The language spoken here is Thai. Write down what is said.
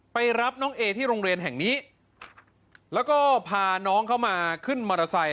ไปรับน้องเอที่โรงเรียนแห่งนี้แล้วก็พาน้องเข้ามาขึ้นมอเตอร์ไซค